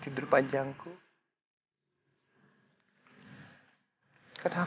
tadi kan aku bilang